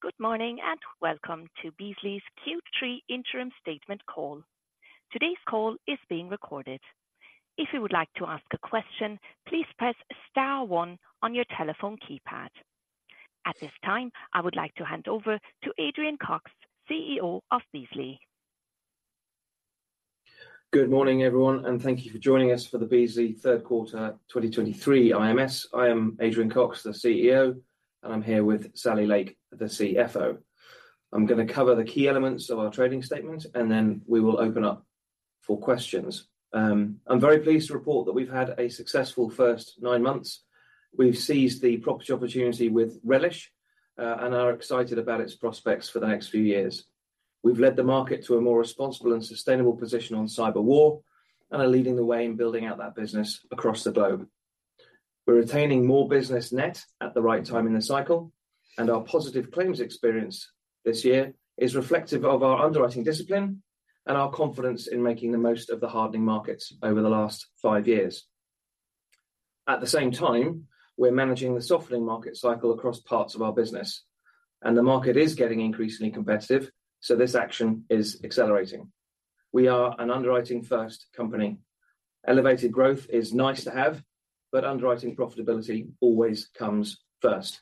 Good morning, and welcome to Beazley's Q3 Interim Statement call. Today's call is being recorded. If you would like to ask a question, please press star one on your telephone keypad. At this time, I would like to hand over to Adrian Cox, CEO of Beazley. Good morning, everyone, and thank you for joining us for the Beazley Q3 2023 IMS. I am Adrian Cox, the CEO, and I'm here with Sally Lake, the CFO. I'm gonna cover the key elements of our trading statement, and then we will open up for questions. I'm very pleased to report that we've had a successful first 9 months. We've seized the Property opportunity with relish, and are excited about its prospects for the next few years. We've led the market to a more responsible and sustainable position on Cyber war, and are leading the way in building out that business across the globe. We're retaining more business net at the right time in the cycle, and our positive claims experience this year is reflective of our underwriting discipline and our confidence in making the most of the hardening markets over the last 5 years. At the same time, we're managing the softening market cycle across parts of our business, and the market is getting increasingly competitive, so this action is accelerating. We are an underwriting-first company. Elevated growth is nice to have, but underwriting profitability always comes first.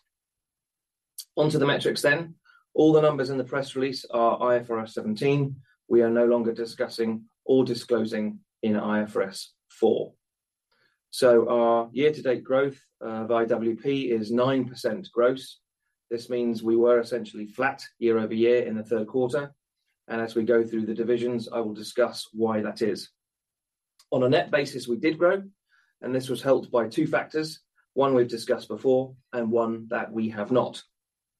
On to the metrics then. All the numbers in the press release are IFRS 17. We are no longer discussing or disclosing in IFRS 4. So our year-to-date growth of IWP is 9% gross. This means we were essentially flat year-over-year in the Q3, and as we go through the divisions, I will discuss why that is. On a net basis, we did grow, and this was helped by two factors: one we've discussed before and one that we have not.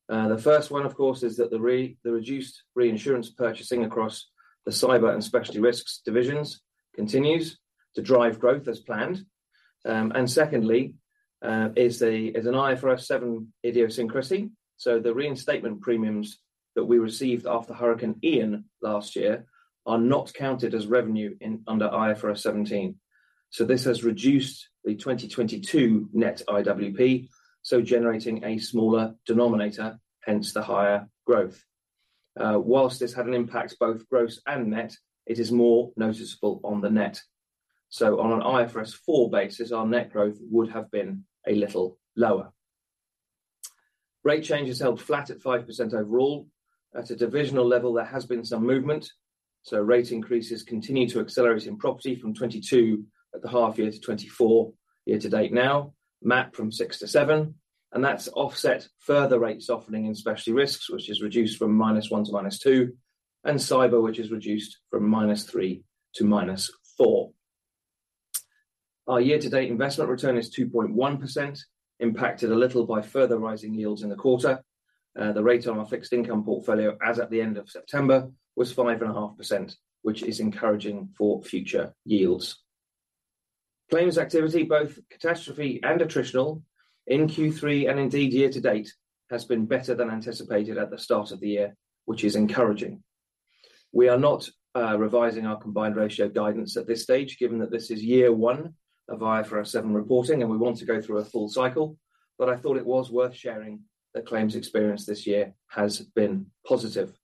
The first one, of course, is that the reduced reinsurance purchasing across the cyber and Specialty Risks divisions continues to drive growth as planned. And secondly, is the, is an IFRS 17 idiosyncrasy. So the reinstatement premiums that we received after Hurricane Ian last year are not counted as revenue in, under IFRS 17. So this has reduced the 2022 net IWP, so generating a smaller denominator, hence the higher growth. While this had an impact, both gross and net, it is more noticeable on the net. So on an IFRS 4 basis, our net growth would have been a little lower. Rate change is held flat at 5% overall. At a divisional level, there has been some movement, so rate increases continue to accelerate in Property from 22% at the half-year to 24% year-to-date now, MAP from 6% to 7%, and that's offset further rate softening in Specialty Risks, which is reduced from -1% to -2%, and Cyber, which is reduced from -3% to -4%. Our year-to-date investment return is 2.1%, impacted a little by further rising yields in the quarter. The rate on our fixed income portfolio as at the end of September was 5.5%, which is encouraging for future yields. Claims activity, both catastrophe and attritional, in Q3 and indeed year to date, has been better than anticipated at the start of the year, which is encouraging. We are not revising our combined ratio guidance at this stage, given that this is year one of IFRS 17 reporting, and we want to go through a full cycle. But I thought it was worth sharing that claims experience this year has been positive.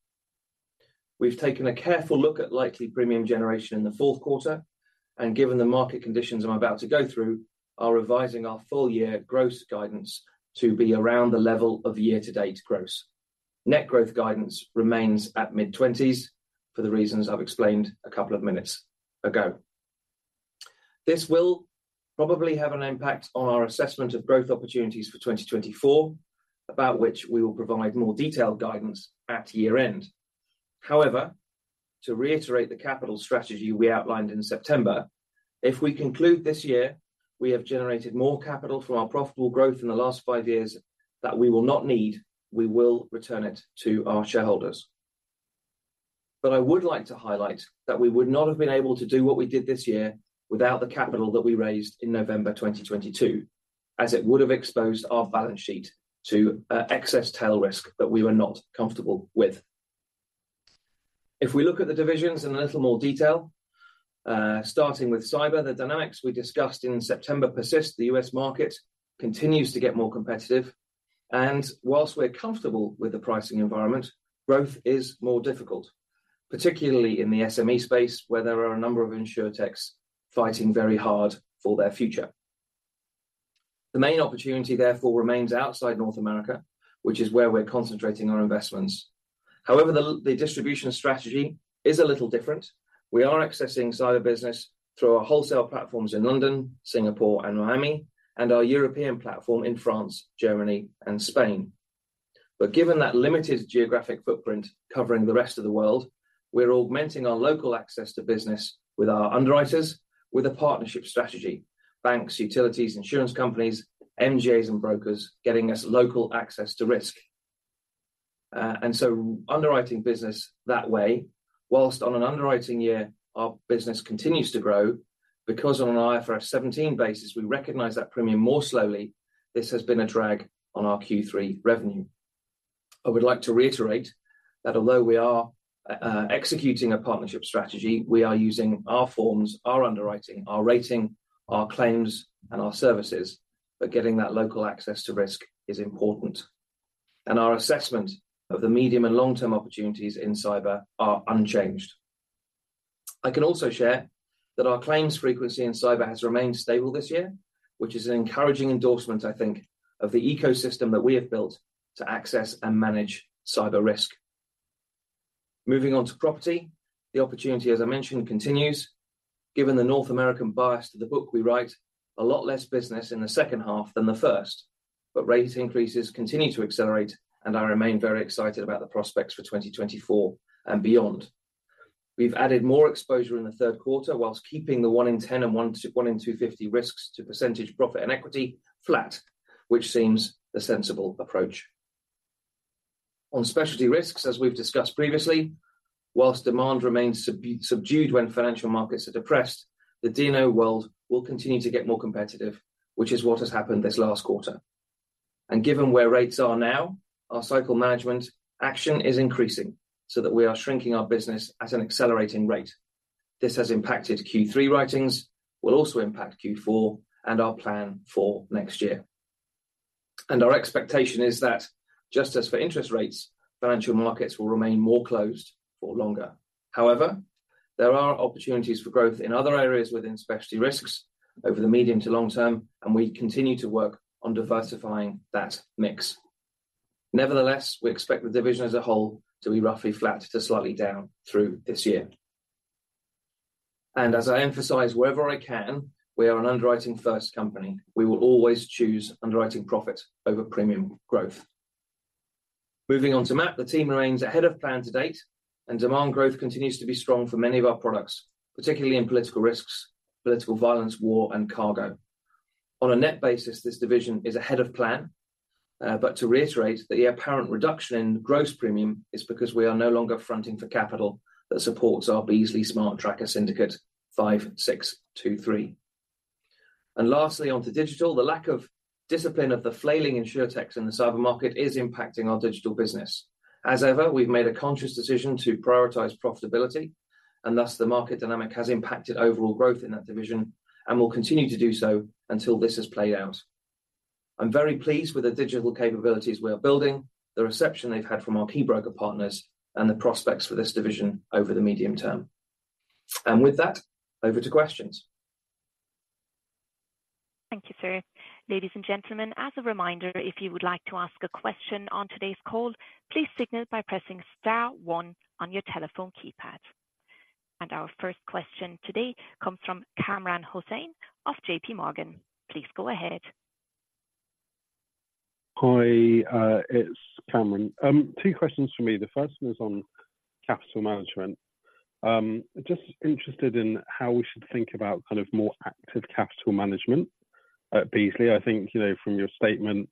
We've taken a careful look at likely premium generation in the Q4, and given the market conditions I'm about to go through, are revising our full year gross guidance to be around the level of the year-to-date gross. Net growth guidance remains at mid-20s for the reasons I've explained a couple of minutes ago. This will probably have an impact on our assessment of growth opportunities for 2024, about which we will provide more detailed guidance at year-end. However, to reiterate the capital strategy we outlined in September, if we conclude this year, we have generated more capital from our profitable growth in the last five years that we will not need. We will return it to our shareholders. But I would like to highlight that we would not have been able to do what we did this year without the capital that we raised in November 2022, as it would have exposed our balance sheet to excess tail risk that we were not comfortable with. If we look at the divisions in a little more detail, starting with cyber, th. dynamics we discussed in September persist. The U.S. market continues to get more competitive, and while we're comfortable with the pricing environment, growth is more difficult, particularly in the SME space, where there are a number of insurtechs fighting very hard for their future. The main opportunity, therefore, remains outside North America, which is where we're concentrating our investments. However, the distribution strategy is a little different. We are accessing cyber business through our wholesale platforms in London, Singapore, and Miami, and our European platform in France, Germany, and Spain. But given that limited geographic footprint covering the rest of the world, we're augmenting our local access to business with our underwriters, with a partnership strategy: banks, utilities, insurance companies, MGAs, and brokers, getting us local access to risk. And so underwriting business that way, while on an underwriting year, our business continues to grow because on an IFRS 17 basis, we recognize that premium more slowly, this has been a drag on our Q3 revenue. I would like to reiterate-... that although we are executing a partnership strategy, we are using our forms, our underwriting, our rating, our claims, and our services, but getting that local access to risk is important. Our assessment of the medium and long-term opportunities in cyber are unchanged. I can also share that our claims frequency in cyber has remained stable this year, which is an encouraging endorsement, I think, of the ecosystem that we have built to access and manage cyber risk. Moving on to property, the opportunity, as I mentioned, continues. Given the North American bias to the book, we write a lot less business in the second half than the first, but rate increases continue to accelerate, and I remain very excited about the prospects for 2024 and beyond. We've added more exposure in the Q3, while keeping the 1 in 10 and 1 in 250 risks to percentage profit and equity flat, which seems the sensible approach. On Specialty Risks, as we've discussed previously, while demand remains subdued when financial markets are depressed, the D&O world will continue to get more competitive, which is what has happened this last quarter. Given where rates are now, our cycle management action is increasing so that we are shrinking our business at an accelerating rate. This has impacted Q3 writings, will also impact Q4 and our plan for next year. Our expectation is that just as for interest rates, financial markets will remain more closed for longer. However, there are opportunities for growth in other areas within Specialty Risks over the medium to long term, and we continue to work on diversifying that mix. Nevertheless, we expect the division as a whole to be roughly flat to slightly down through this year. As I emphasize wherever I can, we are an underwriting-first company. We will always choose underwriting profit over premium growth. Moving on to MAP, the team remains ahead of plan to date, and demand growth continues to be strong for many of our products, particularly in political risks, political violence, war, and cargo. On a net basis, this division is ahead of plan, but to reiterate, the apparent reduction in gross premium is because we are no longer fronting for capital that supports our Beazley Smart Tracker Syndicate 5623. Lastly, onto Digital. The lack of discipline of the flailing insurtechs in the cyber market is impacting our Digital business. As ever, we've made a conscious decision to prioritize profitability, and thus the market dynamic has impacted overall growth in that division and will continue to do so until this has played out. I'm very pleased with the Digital capabilities we are building, the reception they've had from our key broker partners, and the prospects for this division over the medium term. With that, over to questions. Thank you, sir. Ladies and gentlemen, as a reminder, if you would like to ask a question on today's call, please signal by pressing star one on your telephone keypad. Our first question today comes from Kamran Hossain of J.P. Morgan. Please go ahead. Hi, it's Kamran. Two questions from me. The first one is on capital management. Just interested in how we should think about kind of more active capital management at Beazley. I think, you know, from your statement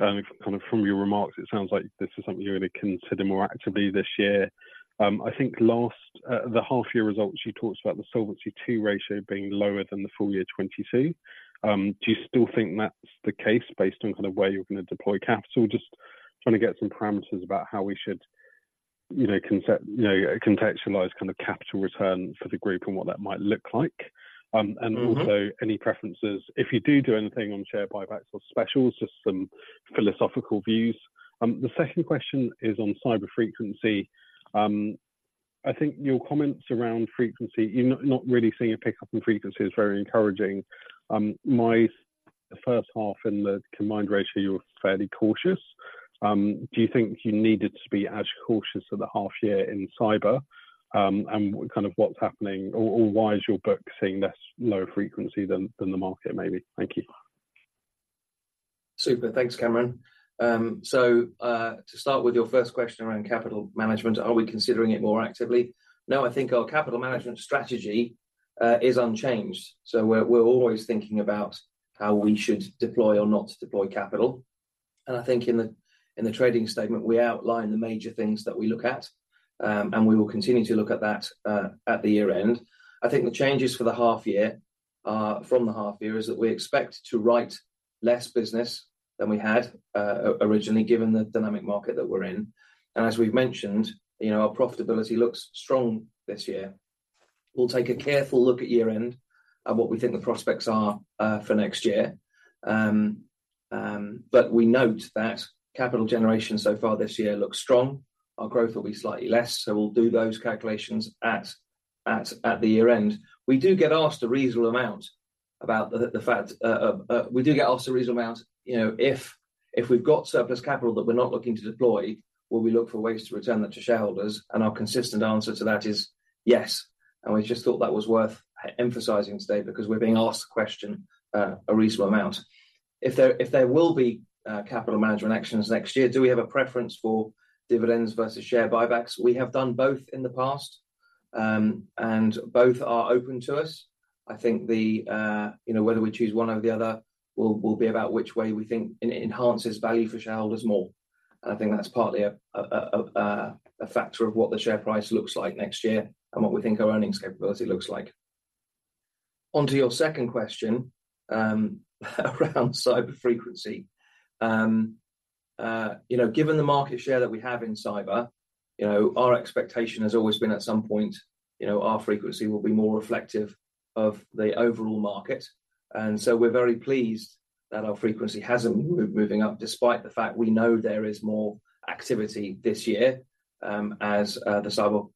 and kind of from your remarks, it sounds like this is something you're going to consider more actively this year. I think last, the half year results, you talked about the Solvency II ratio being lower than the full year 2022. Do you still think that's the case based on kind of where you're going to deploy capital? Just trying to get some parameters about how we should, you know, concept... you know, contextualize kind of capital return for the group and what that might look like. And- Mm-hmm. Also any preferences, if you do do anything on share buybacks or specials, just some philosophical views. The second question is on cyber frequency. I think your comments around frequency, you're not, not really seeing a pickup in frequency is very encouraging. My first half in the combined ratio, you were fairly cautious. Do you think you needed to be as cautious at the half year in cyber? And kind of what's happening or, or why is your book seeing less lower frequency than, than the market, maybe? Thank you. Super. Thanks, Kamran. So, to start with your first question around capital management, are we considering it more actively? No, I think our capital management strategy is unchanged. So we're always thinking about how we should deploy or not deploy capital. And I think in the trading statement, we outline the major things that we look at, and we will continue to look at that at the year-end. I think the changes for the half year from the half year is that we expect to write less business than we had originally, given the dynamic market that we're in. And as we've mentioned, you know, our profitability looks strong this year. We'll take a careful look at year-end at what we think the prospects are for next year. But we note that capital generation so far this year looks strong. Our growth will be slightly less, so we'll do those calculations at the year-end. We do get asked a reasonable amount, you know, if we've got surplus capital that we're not looking to deploy, will we look for ways to return that to shareholders? And our consistent answer to that is yes, and we just thought that was worth emphasizing today because we're being asked the question a reasonable amount. If there will be capital management actions next year, do we have a preference for dividends versus share buybacks? We have done both in the past, and both are open to us. I think the, you know, whether we choose one over the other will be about which way we think it enhances value for shareholders more. I think that's partly a factor of what the share price looks like next year and what we think our earnings capability looks like. Onto your second question, around cyber frequency. You know, given the market share that we have in cyber, you know, our expectation has always been at some point, you know, our frequency will be more reflective of the overall market, and so we're very pleased that our frequency has been moving up, despite the fact we know there is more activity this year, as the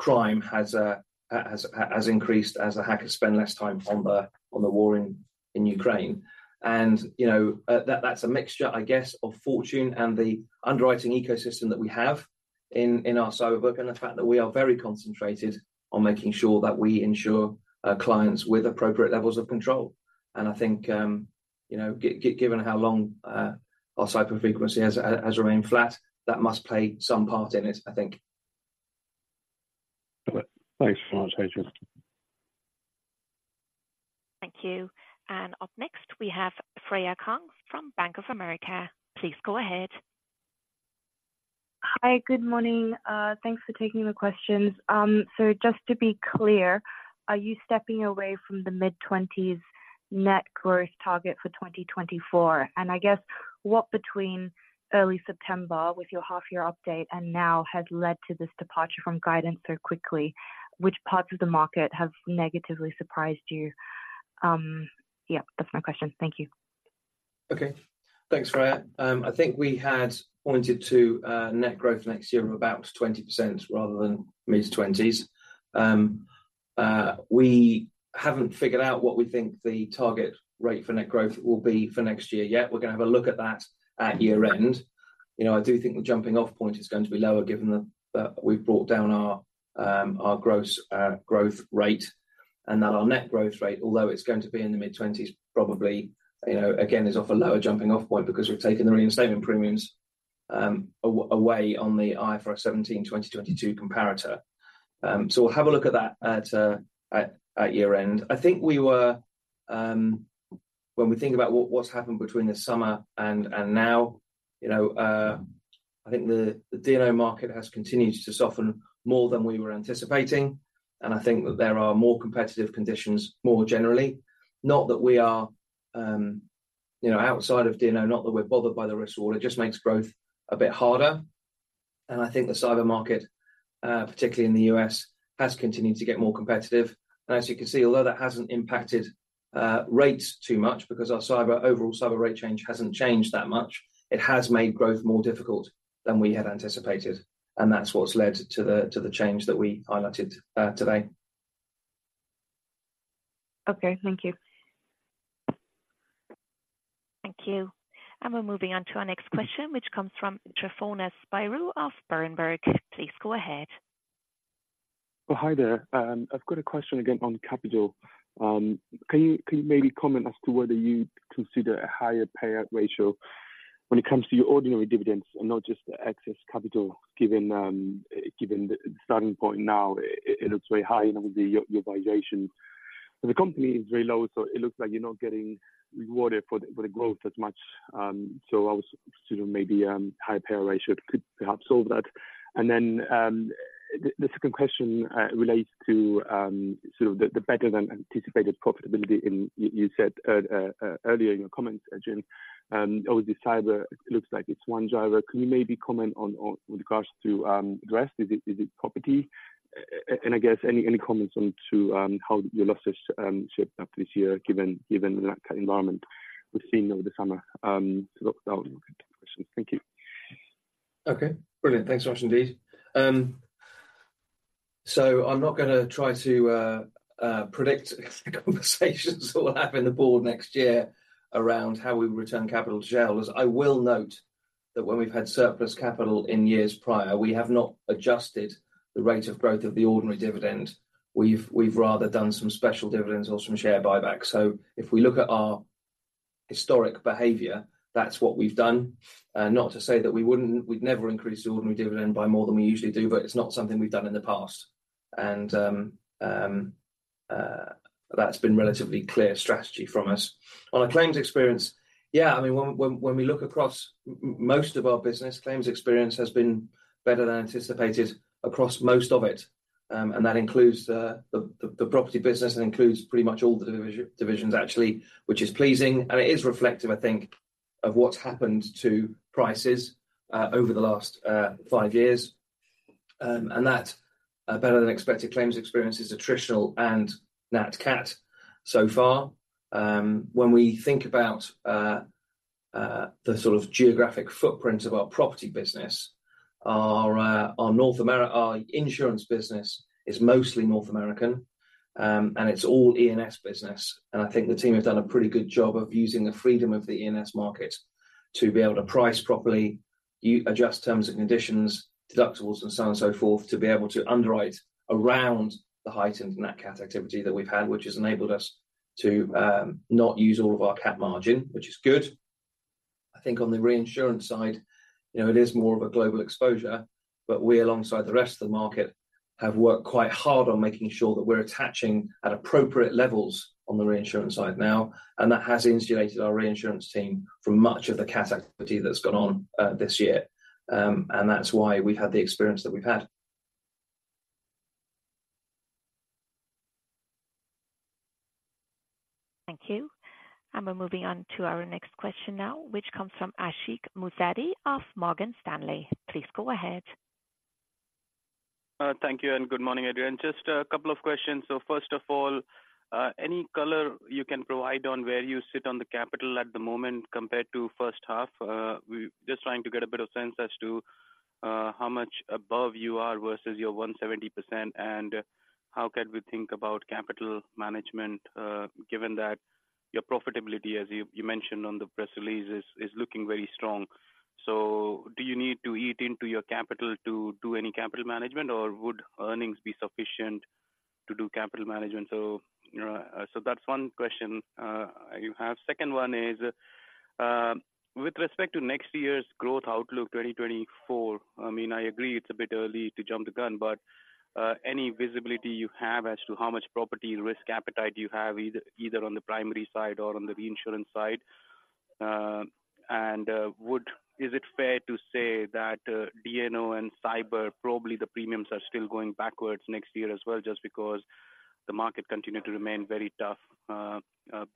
cybercrime has increased as the hackers spend less time on the war in Ukraine. You know, that's a mixture, I guess, of fortune and the underwriting ecosystem that we have in our cyber work, and the fact that we are very concentrated on making sure that we insure clients with appropriate levels of control. And I think, you know, given how long our cyber frequency has remained flat, that must play some part in it, I think. Okay. Thanks very much, Adrian. Thank you. And up next, we have Freya Kong from Bank of America. Please go ahead. Hi, good morning. Thanks for taking the questions. So just to be clear, are you stepping away from the mid-20s net growth target for 2024? And I guess what between early September with your half-year update and now has led to this departure from guidance so quickly? Which parts of the market have negatively surprised you? Yeah, that's my question. Thank you. Okay. Thanks, Freya. I think we had pointed to net growth next year of about 20% rather than mid-20s. We haven't figured out what we think the target rate for net growth will be for next year yet. We're gonna have a look at that at year-end. You know, I do think the jumping-off point is going to be lower, given that we've brought down our gross growth rate and that our net growth rate, although it's going to be in the mid-20s, probably, you know, again, is off a lower jumping-off point because we've taken the reinstatement premiums away on the IFRS 17 2022 comparator. So we'll have a look at that at year-end. I think we were... When we think about what, what's happened between the summer and, and now, you know, I think the, the D&O market has continued to soften more than we were anticipating, and I think that there are more competitive conditions more generally. Not that we are, you know, outside of D&O, not that we're bothered by the risk at all. It just makes growth a bit harder. And I think the cyber market, particularly in the US, has continued to get more competitive. And as you can see, although that hasn't impacted, rates too much because our cyber, overall cyber rate change hasn't changed that much, it has made growth more difficult than we had anticipated, and that's what's led to the, to the change that we highlighted, today. Okay. Thank you. Thank you. We're moving on to our next question, which comes from Tryfonas Spyrou of Berenberg. Please go ahead. Oh, hi there. I've got a question again on capital. Can you, can you maybe comment as to whether you'd consider a higher payout ratio when it comes to your ordinary dividends and not just the excess capital, given, given the starting point now, it, it looks very high, you know, your valuation. The company is very low, so it looks like you're not getting rewarded for the, for the growth as much. So I was sort of maybe, high payout ratio could perhaps solve that. And then, the, the second question relates to, sort of the, the better-than-anticipated profitability in... You said earlier in your comments, Adrian, obviously, cyber looks like it's one driver. Can you maybe comment on, on with regards to, the rest? Is it, is it property? And I guess any comments on how your losses shaped up this year, given the Nat Cat environment we've seen over the summer? So those are my two questions. Thank you. Okay, brilliant. Thanks very much indeed. So I'm not gonna try to predict the conversations that we'll have in the board next year around how we return capital to shareholders. I will note that when we've had surplus capital in years prior, we have not adjusted the rate of growth of the ordinary dividend. We've rather done some special dividends or some share buybacks. So if we look at our historic behavior, that's what we've done. Not to say that we wouldn't, we'd never increase the ordinary dividend by more than we usually do, but it's not something we've done in the past, and that's been relatively clear strategy from us. On a claims experience, yeah, I mean, when we look across most of our business, claims experience has been better than anticipated across most of it. And that includes the property business, and includes pretty much all the divisions actually, which is pleasing, and it is reflective, I think, of what's happened to prices over the last five years. And that better-than-expected claims experience is attritional and Nat Cat so far. When we think about the sort of geographic footprint of our property business, our insurance business is mostly North American, and it's all E&S business, and I think the team has done a pretty good job of using the freedom of the E&S market to be able to price properly, adjust terms and conditions, deductibles, and so on and so forth, to be able to underwrite around the heightened Nat Cat activity that we've had, which has enabled us to not use all of our cat margin, which is good. I think on the reinsurance side, you know, it is more of a global exposure, but we, alongside the rest of the market, have worked quite hard on making sure that we're attaching at appropriate levels on the reinsurance side now, and that has insulated our reinsurance team from much of the cat activity that's gone on this year. And that's why we've had the experience that we've had.... Thank you. And we're moving on to our next question now, which comes from Ashik Musaddi of Morgan Stanley. Please go ahead. Thank you, and good morning, Adrian. Just a couple of questions. So first of all, any color you can provide on where you sit on the capital at the moment compared to first half? We're just trying to get a bit of sense as to how much above you are versus your 170%, and how can we think about capital management, given that your profitability, as you, you mentioned on the press release, is, is looking very strong. So do you need to eat into your capital to do any capital management, or would earnings be sufficient to do capital management? So, so that's one question, you have. Second one is, with respect to next year's growth outlook, 2024, I mean, I agree it's a bit early to jump the gun, but, any visibility you have as to how much property risk appetite you have either on the primary side or on the reinsurance side. And, is it fair to say that, D&O and cyber, probably the premiums are still going backwards next year as well, just because the market continued to remain very tough,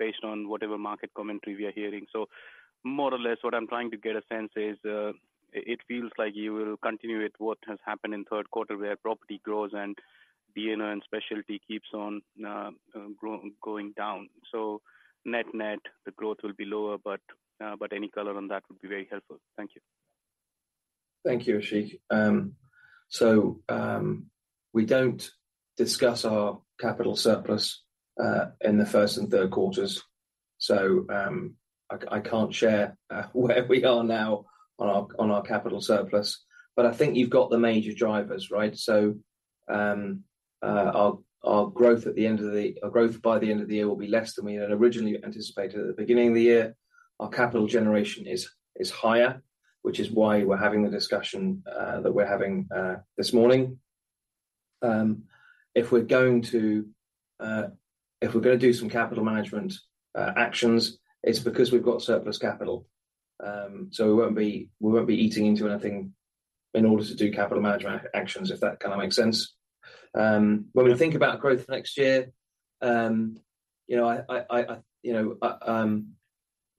based on whatever market commentary we are hearing. So more or less, what I'm trying to get a sense is, it feels like you will continue with what has happened in Q3, where property grows and D&O and specialty keeps on going down. So net, net, the growth will be lower, but, but any color on that would be very helpful. Thank you. Thank you, Ashik. So, we don't discuss our capital surplus in the first and third quarters. So, I can't share where we are now on our capital surplus. But I think you've got the major drivers, right? So, our growth by the end of the year will be less than we had originally anticipated at the beginning of the year. Our capital generation is higher, which is why we're having the discussion that we're having this morning. If we're gonna do some capital management actions, it's because we've got surplus capital. So we won't be eating into anything in order to do capital management actions, if that kind of makes sense. When we think about growth next year, you know,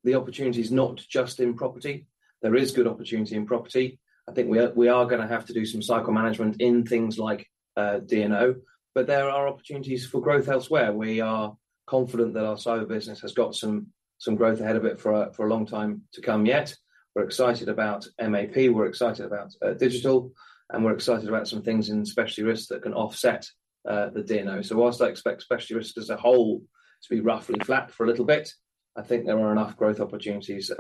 the opportunity is not just in property. There is good opportunity in property. I think we are gonna have to do some cycle management in things like D&O, but there are opportunities for growth elsewhere. We are confident that our cyber business has got some growth ahead of it for a long time to come yet. We're excited about MAP, we're excited about Digital, and we're excited about some things in Specialty Risks that can offset the D&O. So while I expect Specialty Risks as a whole to be roughly flat for a little bit, I think there are enough growth opportunities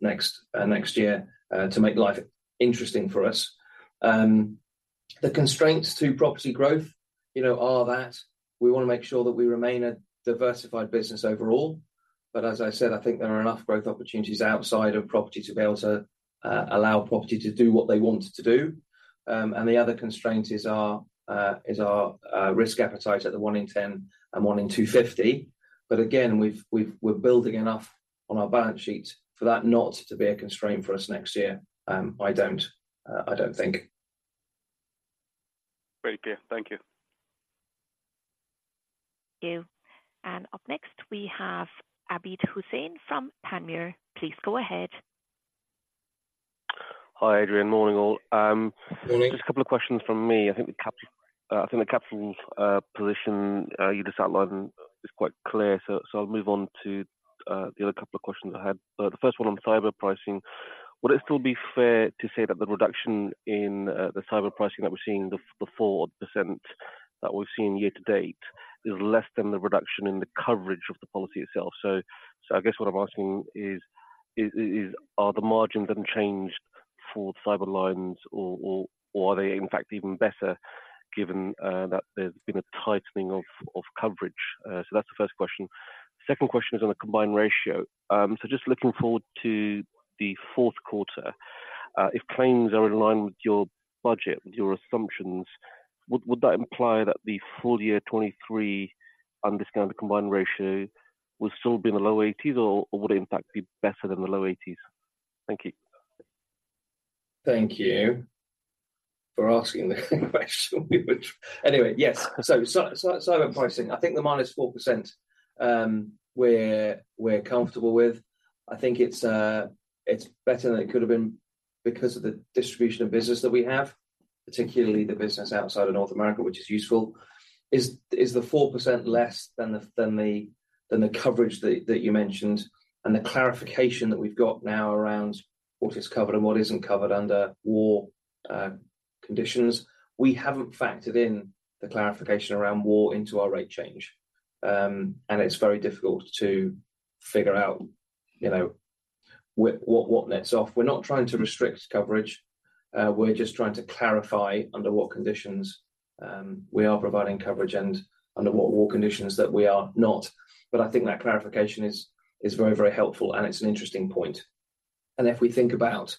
next year to make life interesting for us. The constraints to property growth, you know, are that we wanna make sure that we remain a diversified business overall. But as I said, I think there are enough growth opportunities outside of property to be able to allow property to do what they want it to do. And the other constraint is our risk appetite at the 1 in 10 and 1 in 250. But again, we're building enough on our balance sheet for that not to be a constraint for us next year. I don't think. Great, clear. Thank you. Thank you. Up next, we have Abid Hussain from Panmure. Please go ahead. Hi, Adrian. Morning, all. Morning. Just a couple of questions from me. I think the capital position you just outlined is quite clear, so I'll move on to the other couple of questions I had. The first one on cyber pricing: would it still be fair to say that the reduction in the cyber pricing that we're seeing, the 4% that we've seen year to date, is less than the reduction in the coverage of the policy itself? So I guess what I'm asking is, are the margins unchanged for cyber lines or are they in fact even better, given that there's been a tightening of coverage? So that's the first question. Second question is on the combined ratio. So just looking forward to the Q4, if claims are in line with your budget, with your assumptions, would that imply that the full year 2023 undisclosed Combined Ratio would still be in the low 80s, or would it in fact be better than the low 80s? Thank you. Thank you for asking the question, which... Anyway, yes. So cyber pricing, I think the -4%, we're comfortable with. I think it's better than it could have been because of the distribution of business that we have, particularly the business outside of North America, which is useful. Is the 4% less than the coverage that you mentioned, and the clarification that we've got now around what is covered and what isn't covered under war conditions? We haven't factored in the clarification around war into our rate change. And it's very difficult to figure out, you know, what nets off. We're not trying to restrict coverage, we're just trying to clarify under what conditions we are providing coverage and under what war conditions that we are not. But I think that clarification is very, very helpful, and it's an interesting point. If we think about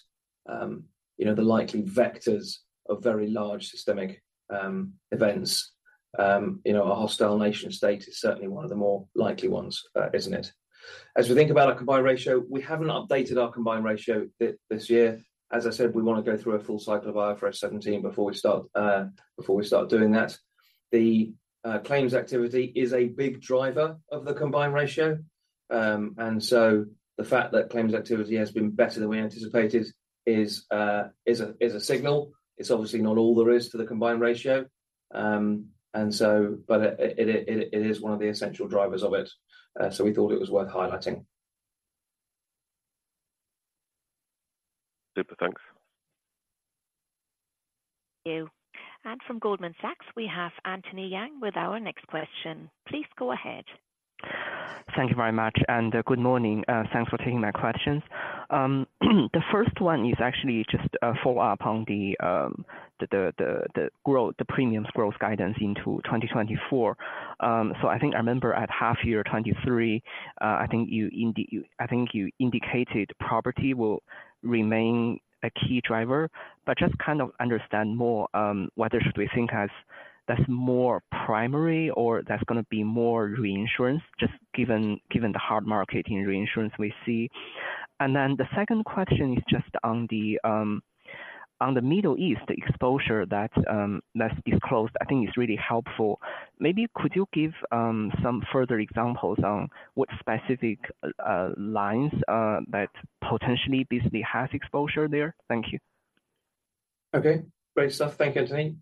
you know, the likely vectors of very large systemic events, you know, a hostile nation state is certainly one of the more likely ones, isn't it? As we think about our combined ratio, we haven't updated our combined ratio this year. As I said, we want to go through a full cycle of IFRS 17 before we start doing that. The claims activity is a big driver of the combined ratio. And so the fact that claims activity has been better than we anticipated is a signal. It's obviously not all there is to the combined ratio. And so but it is one of the essential drivers of it, so we thought it was worth highlighting. Super. Thanks. Thank you. From Goldman Sachs, we have Anthony Yang with our next question. Please go ahead. Thank you very much, and, good morning. Thanks for taking my questions. The first one is actually just a follow-up on the growth, the premiums growth guidance into 2024. So I think I remember at half year 2023, I think you indicated property will remain a key driver, but just kind of understand more, whether should we think as that's more primary or that's gonna be more reinsurance, just given the hard market in reinsurance we see. And then the second question is just on the Middle East, the exposure that's disclosed, I think it's really helpful. Maybe could you give some further examples on what specific lines that potentially business has exposure there? Thank you. Okay, great stuff. Thank you, Anthony.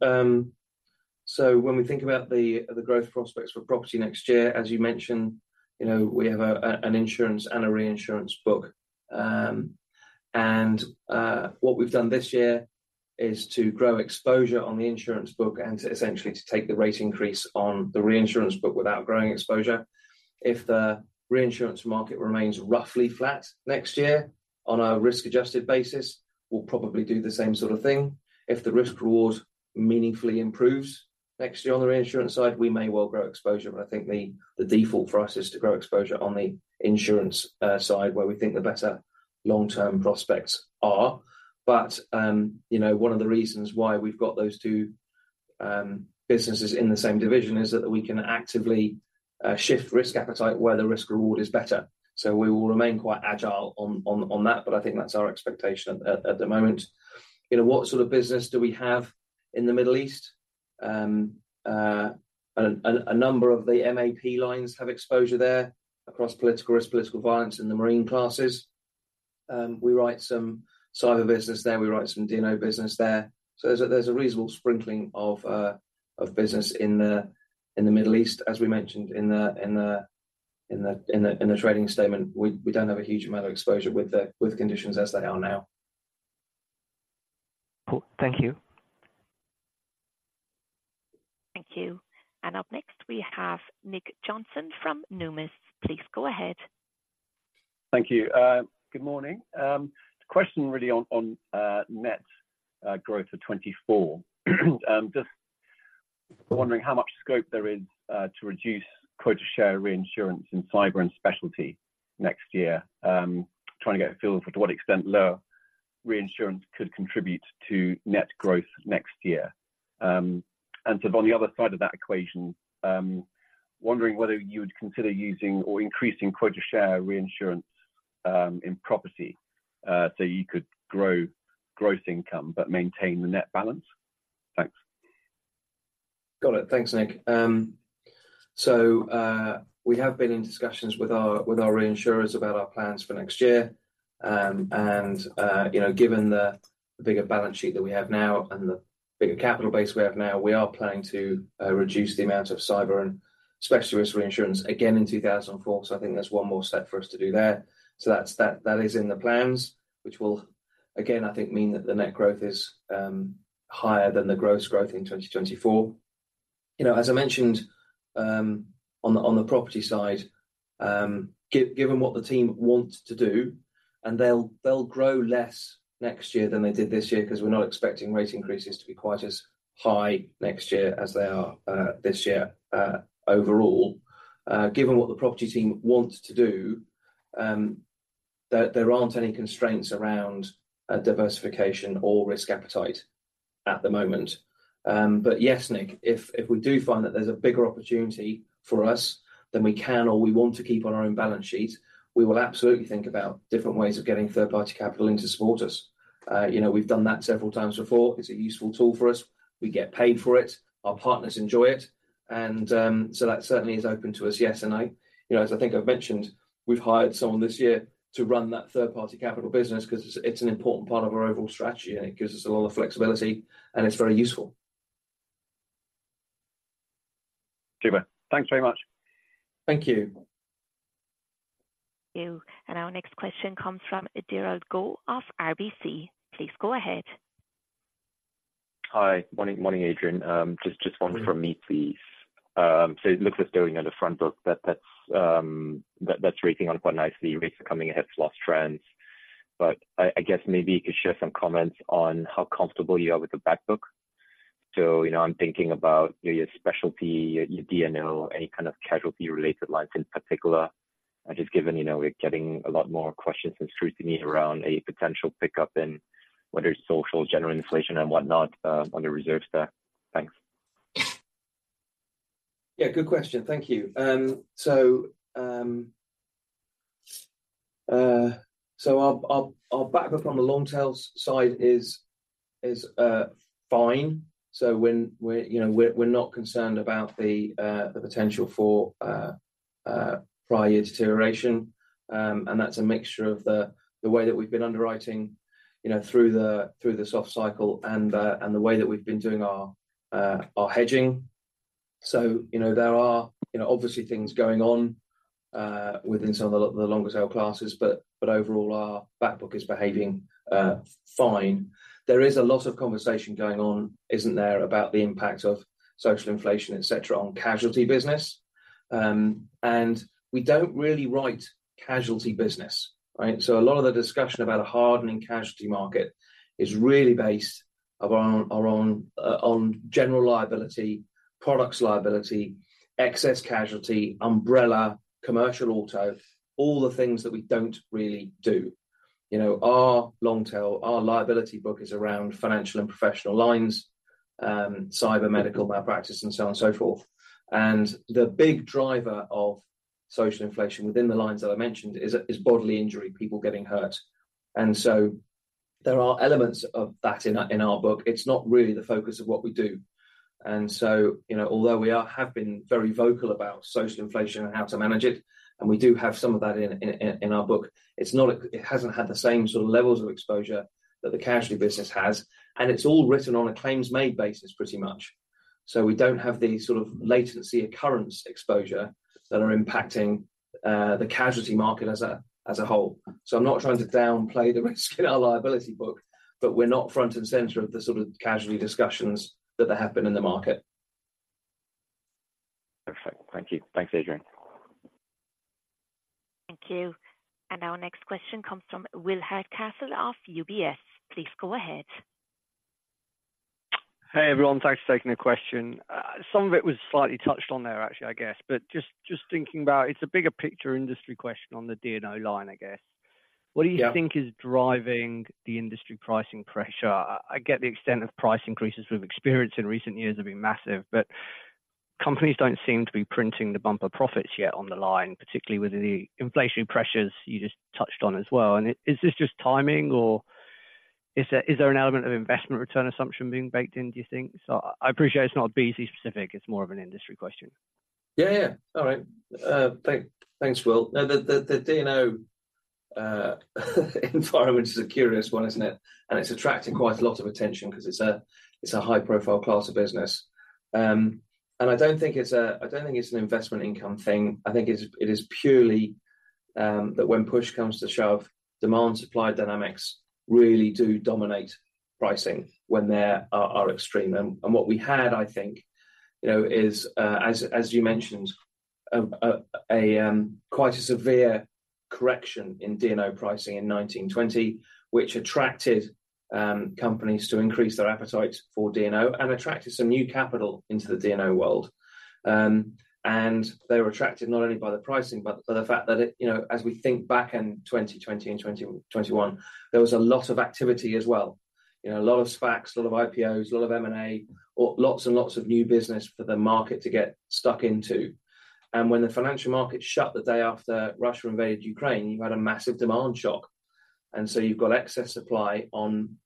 So when we think about the growth prospects for property next year, as you mentioned, you know, we have an insurance and a reinsurance book. What we've done this year is to grow exposure on the insurance book and to essentially take the rate increase on the reinsurance book without growing exposure. If the reinsurance market remains roughly flat next year, on a risk-adjusted basis, we'll probably do the same sort of thing. If the risk reward meaningfully improves next year on the reinsurance side, we may well grow exposure, but I think the default for us is to grow exposure on the insurance side, where we think the better long-term prospects are. But, you know, one of the reasons why we've got those two businesses in the same division is that we can actively shift risk appetite where the risk reward is better. So we will remain quite agile on that, but I think that's our expectation at the moment. You know, what sort of business do we have in the Middle East? A number of the MAP lines have exposure there across political risk, political violence in the marine classes. We write some cyber business there, we write some D&O business there. So there's a reasonable sprinkling of business in the Middle East, as we mentioned in the trading statement. We don't have a huge amount of exposure with conditions as they are now. Cool. Thank you. Thank you. Up next, we have Nick Johnson from Numis. Please go ahead. Thank you. Good morning. The question really on net growth for 2024. Just wondering how much scope there is to reduce quota share reinsurance in cyber and specialty next year. Trying to get a feel for to what extent lower reinsurance could contribute to net growth next year. And so on the other side of that equation, wondering whether you would consider using or increasing quota share reinsurance in property so you could grow gross income but maintain the net balance? Thanks. Got it. Thanks, Nick. So, we have been in discussions with our reinsurers about our plans for next year. You know, given the bigger balance sheet that we have now and the bigger capital base we have now, we are planning to reduce the amount of cyber and specialty risk reinsurance again in 2024. So I think there's one more step for us to do there. So that is in the plans, which will again, I think, mean that the net growth is higher than the gross growth in 2024. You know, as I mentioned, on the property side, given what the team want to do, and they'll grow less next year than they did this year, 'cause we're not expecting rate increases to be quite as high next year as they are this year, overall. Given what the property team wants to do, there aren't any constraints around diversification or risk appetite at the moment. But yes, Nick, if we do find that there's a bigger opportunity for us than we can or we want to keep on our own balance sheet, we will absolutely think about different ways of getting third-party capital in to support us. You know, we've done that several times before. It's a useful tool for us. We get paid for it, our partners enjoy it, and so that certainly is open to us. Yes, and you know, as I think I've mentioned, we've hired someone this year to run that third-party capital business 'cause it's an important part of our overall strategy, and it gives us a lot of flexibility, and it's very useful. Super. Thanks very much. Thank you. Thank you. Our next question comes from Derald Goh of RBC. Please go ahead. Hi. Morning, morning, Adrian. Just, just one from me, please. So it looks as though, you know, the front book that's rating on quite nicely rates coming ahead of loss trends. But I guess maybe you could share some comments on how comfortable you are with the back book. So, you know, I'm thinking about, you know, your specialty, your D&O, any kind of casualty-related lines in particular. And just given, you know, we're getting a lot more questions and scrutiny around a potential pickup in whether it's social, general inflation and whatnot, on the reserve stack. Thanks. Yeah, good question. Thank you. So our backup on the long tail side is fine. So when we're, you know, we're not concerned about the potential for prior year deterioration. And that's a mixture of the way that we've been underwriting, you know, through the soft cycle and the way that we've been doing our hedging. So, you know, there are, you know, obviously things going on within some of the longer tail classes, but overall, our back book is behaving fine. There is a lot of conversation going on, isn't there, about the impact of social inflation, et cetera, on casualty business? And we don't really write casualty business, right? So a lot of the discussion about a hardening casualty market is really based upon our own, on general liability, products liability, excess casualty, umbrella, commercial auto, all the things that we don't really do. You know, our long tail, our liability book is around financial and professional lines, cyber medical malpractice, and so on and so forth. And the big driver of social inflation within the lines that I mentioned is bodily injury, people getting hurt. And so there are elements of that in our book. It's not really the focus of what we do. And so, you know, although we have been very vocal about social inflation and how to manage it, and we do have some of that in our book, it's not a... It hasn't had the same sort of levels of exposure that the casualty business has, and it's all written on a claims-made basis, pretty much. So we don't have the sort of latency occurrence exposure that are impacting the casualty market as a whole. So I'm not trying to downplay the risk in our liability book, but we're not front and center of the sort of casualty discussions that there have been in the market. Perfect. Thank you. Thanks, Adrian. Thank you. Our next question comes from Will Hardcastle of UBS. Please go ahead. Hey, everyone. Thanks for taking the question. Some of it was slightly touched on there, actually, I guess. But just thinking about it, it's a bigger picture industry question on the D&O line, I guess. Yeah. What do you think is driving the industry pricing pressure? I get the extent of price increases we've experienced in recent years have been massive, but companies don't seem to be printing the bumper profits yet on the line, particularly with the inflation pressures you just touched on as well. And is this just timing, or is there an element of investment return assumption being baked in, do you think? So I appreciate it's not BC specific, it's more of an industry question. Yeah, yeah. All right. Thanks, Will. Now, the D&O environment is a curious one, isn't it? And it's attracting quite a lot of attention 'cause it's a high-profile class of business. And I don't think it's an investment income thing. I think it is purely that when push comes to shove, demand-supply dynamics really do dominate pricing when they are extreme. And what we had, I think, you know, is, as you mentioned, quite a severe correction in D&O pricing in 2020, which attracted companies to increase their appetite for D&O and attracted some new capital into the D&O world. And they were attracted not only by the pricing but by the fact that it, you know, as we think back in 2020 and 2021, there was a lot of activity as well. You know, a lot of SPACs, a lot of IPOs, a lot of M&A, or lots and lots of new business for the market to get stuck into. And when the financial markets shut the day after Russia invaded Ukraine, you had a massive demand shock, and so you've got excess supply on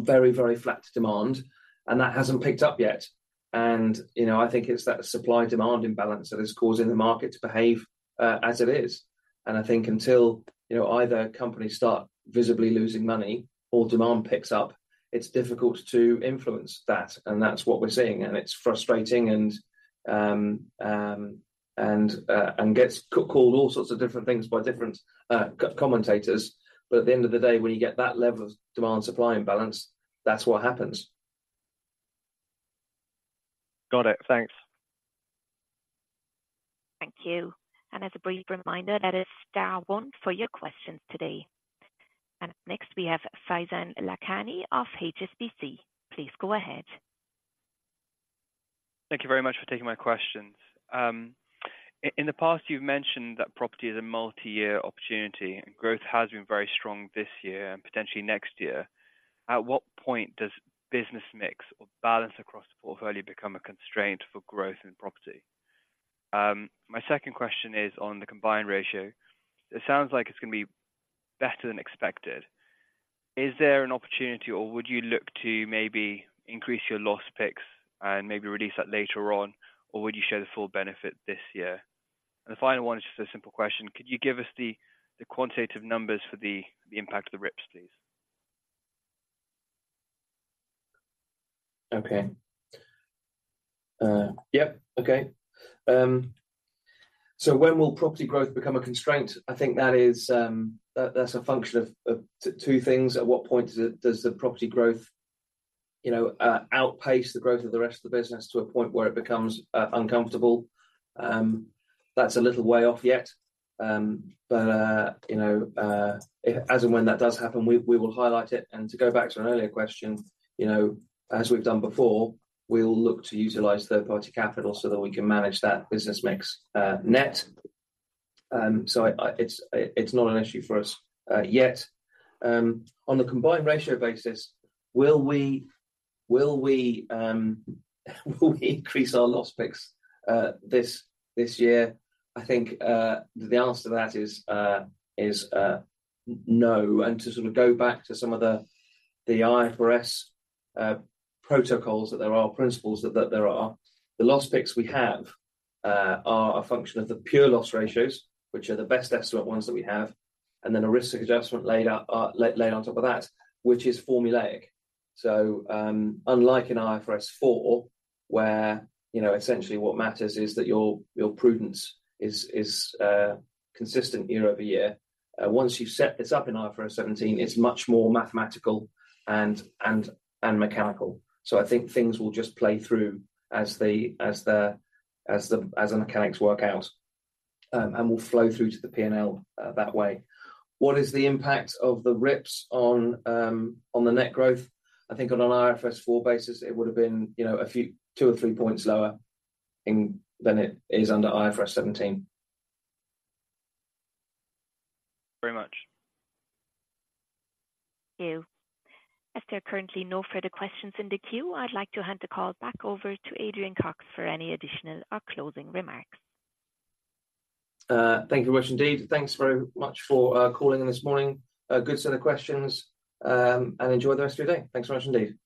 very, very flat demand, and that hasn't picked up yet. And, you know, I think it's that supply-demand imbalance that is causing the market to behave as it is. And I think until, you know, either companies start visibly losing money or demand picks up, it's difficult to influence that, and that's what we're seeing, and it's frustrating and gets called all sorts of different things by different commentators. But at the end of the day, when you get that level of demand-supply imbalance, that's what happens. Got it. Thanks. Thank you. And as a brief reminder, that is star one for your questions today. And next, we have Faizan Lakhani of HSBC. Please go ahead. Thank you very much for taking my questions. In the past, you've mentioned that property is a multi-year opportunity, and growth has been very strong this year and potentially next year. At what point does business mix or balance across the portfolio become a constraint for growth in property? My second question is on the combined ratio. It sounds like it's gonna be better than expected. Is there an opportunity, or would you look to maybe increase your loss picks and maybe release that later on, or would you share the full benefit this year? And the final one is just a simple question: Could you give us the quantitative numbers for the impact of the RIPs, please? Okay. Yep, okay. So when will property growth become a constraint? I think that is, that, that's a function of two things. At what point does it, does the property growth, you know, outpace the growth of the rest of the business to a point where it becomes uncomfortable? That's a little way off yet. But, you know, as and when that does happen, we will highlight it. And to go back to an earlier question, you know, as we've done before, we'll look to utilize third-party capital so that we can manage that business mix, net. So I... It's not an issue for us yet. On the combined ratio basis, will we increase our loss picks this year? I think the answer to that is no. And to sort of go back to some of the IFRS protocols, that there are principles that the loss picks we have are a function of the pure loss ratios, which are the best estimate ones that we have, and then a risk adjustment laid out on top of that, which is formulaic. So, unlike in IFRS 4, where, you know, essentially what matters is that your prudence is consistent year-over-year, once you've set this up in IFRS 17, it's much more mathematical and mechanical. So I think things will just play through as the mechanics work out, and will flow through to the P&L that way. What is the impact of the RIPs on the net growth? I think on an IFRS 4 basis, it would have been, you know, a few, 2 or 3 points lower than it is under IFRS 17. Very much. Thank you. As there are currently no further questions in the queue, I'd like to hand the call back over to Adrian Cox for any additional or closing remarks. Thank you very much indeed. Thanks very much for calling in this morning. A good set of questions, and enjoy the rest of your day. Thanks very much indeed.